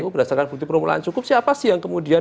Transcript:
berdasarkan bukti permulaan cukup siapa sih yang kemudian